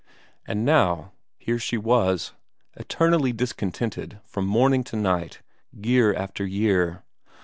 And now here she was, eternally discontented from morning to night, year after year.